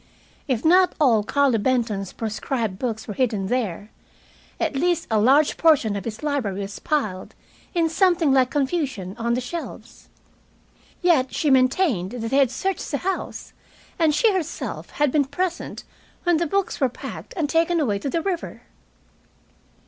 If not all Carlo Benton's proscribed books were hidden there, at least a large portion of his library was piled, in something like confusion, on the shelves. Yet she maintained that they had searched the house, and she herself had been present when the books were packed and taken away to the river.